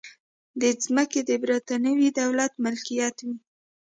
دا ځمکې د برېټانوي دولت ملکیت وې.